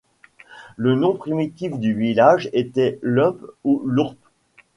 Le nom primitif du village était Lump ou Lourp.